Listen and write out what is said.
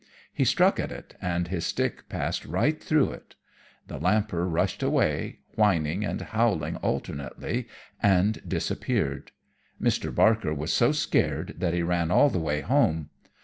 He struck at it, and his stick passed right through it. The Lamper rushed away, whining and howling alternately, and disappeared. Mr. Barker was so scared that he ran all the way home.